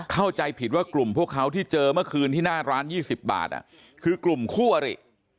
เข้าใจผิดว่ากลุ่มพวกเขาที่เจอเมื่อคืนที่หน้าร้าน๒๐บาทคือกลุ่มคู่อริ